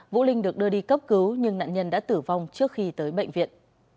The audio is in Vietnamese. vũ linh được đưa đi cấp cứu nhưng nạn nhân đã tử vong trước khi tới bệnh viện